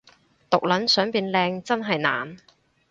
毒撚想變靚真係難